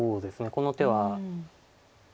この手は。